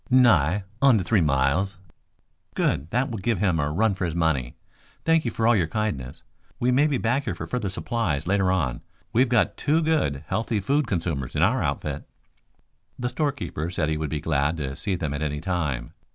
"Nigh onto three miles." "Good. That will give him a run for his money. Thank you for all your kindness. We may be back here for further supplies later on. We've got two good, healthy food consumers in our outfit." The storekeeper said he would be glad to see them at any time.